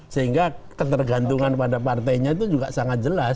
sehingga ketergantungan pada partainya itu juga sangat jelas